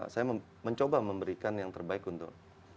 saya mencoba memberikan yang terbaik untuk